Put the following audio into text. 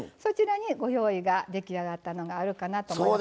ご用意が出来上がったのがあるかなと思います。